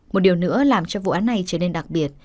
một điều nữa làm cho vụ án này trở nên đặc biệt